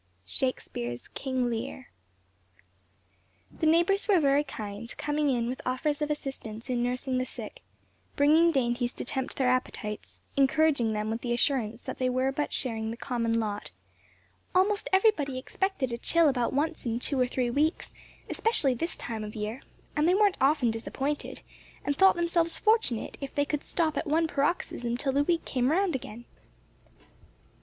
SHAKS. KING LEAR. THE neighbors were very kind; coming in with offers of assistance in nursing the sick, bringing dainties to tempt their appetites, encouraging them with the assurance that they were but sharing the common lot; "almost everybody expected a chill about once in two or three weeks; especially this time of year; and they weren't often disappointed, and thought themselves fortunate if they could stop at one paroxysm till the week came round again.